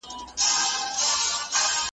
دا شېبه ورته ډېره حیرانوونکې وه.